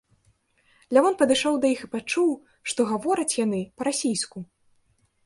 Лявон падышоў да іх і пачуў, што гавораць яны па-расійску.